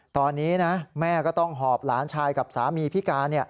ตอนนี้นะแม่ก็ต้องหอบหลานชายกับสามีพิการ